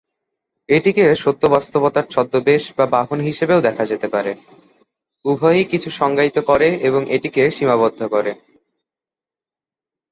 এটিকে সত্য বাস্তবতার ছদ্মবেশ বা বাহন হিসাবেও দেখা যেতে পারে, উভয়ই কিছু সংজ্ঞায়িত করে এবং এটিকে সীমাবদ্ধ করে।